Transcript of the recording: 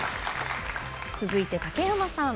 続いて竹山さん。